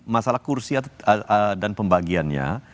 masalah kursi dan pembagiannya